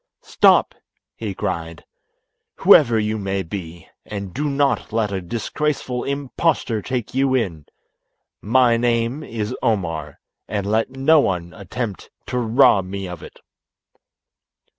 "Stop!" he cried, "whoever you may be, and do not let a disgraceful impostor take you in. My name is Omar, and let no one attempt to rob me of it."